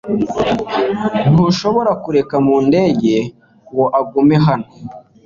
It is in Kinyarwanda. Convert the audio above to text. Ntushobora kureka Mudenge ngo agume hano .